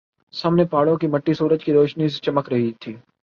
سامنے پہاڑوں کی مٹی سورج کی روشنی سے چمک رہی تھی